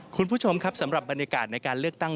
คุณผู้ชมครับสำหรับบรรยากาศในการเลือกตั้ง